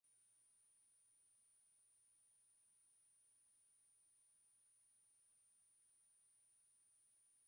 wa madawa hayo ni kama kokaini heroini bangi na miraa